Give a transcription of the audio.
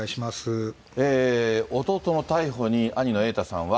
弟の逮捕に、兄の瑛太さんは。